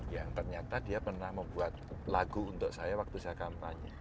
yang ternyata dia pernah membuat lagu untuk saya waktu saya kampanye